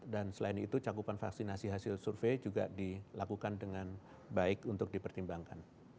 dan selain itu cakupan vaksinasi hasil survei juga dilakukan dengan baik untuk dipertimbangkan